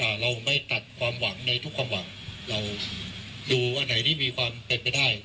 เราไม่ตัดความหวังในทุกความหวังเราดูอันไหนที่มีความเป็นไปได้